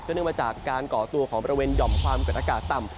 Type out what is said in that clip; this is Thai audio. เนื่องมาจากการก่อตัวของบริเวณหย่อมความกดอากาศต่ำ